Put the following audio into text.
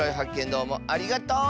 どうもありがとう！